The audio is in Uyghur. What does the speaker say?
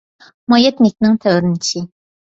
ماياتنىكنىڭ تەۋرىنىشى